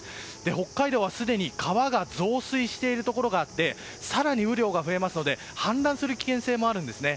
北海道はすでに川が増水しているところがあって更に雨量が増えますので氾濫する危険性もあるんですね。